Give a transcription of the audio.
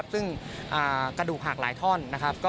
ซึ่งกระดูกหักหลายท่อนนะครับ